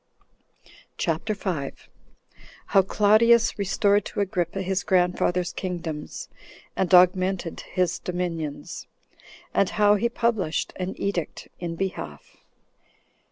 CHAPTER 5. How Claudius Restored To Agrippa His Grandfathers Kingdoms And Augmented His Dominions; And How He Published An Edict In Behalf.